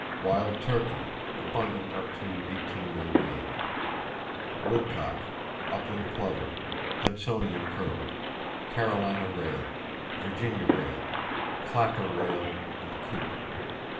Wild turkey (abundant up to 1898); woodcock, upland plover, Hudsonian curlew, Carolina rail, Virginia rail, clapper rail and coot.